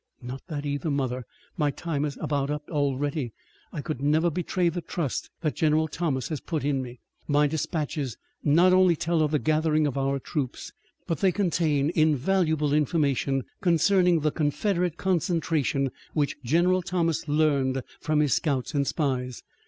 "Nor that either, mother. My time is about up already. I could never betray the trust that General Thomas has put in me. My dispatches not only tell of the gathering of our own troops, but they contain invaluable information concerning the Confederate concentration which General Thomas learned from his scouts and spies.